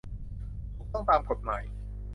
ถูกต้องตามกฎหมาย